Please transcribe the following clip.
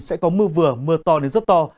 sẽ có mưa vừa mưa to đến giấc to